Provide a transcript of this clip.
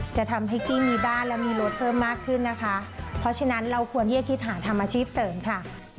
จะทำให้กี้มีบ้านและมีรถเพิ่มมากขึ้นนะคะเพราะฉะนั้นเราควรที่จะคิดหาทำอาชีพเสริมค่ะ